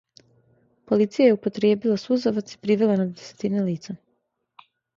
Полиција је употријебила сузавац и привела на десетине лица.